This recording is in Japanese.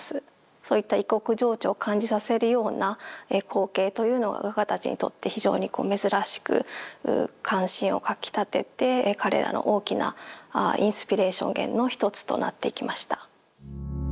そういった異国情緒を感じさせるような光景というのは画家たちにとって非常に珍しく関心をかきたてて彼らの大きなインスピレーション源の一つとなっていきました。